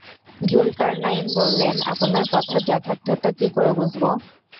যুলকারনাইন বললেন, আপনার কথার যথার্থতা কি করে বুঝবো?